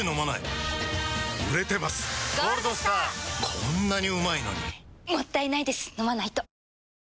こんなにうまいのにもったいないです、飲まないと。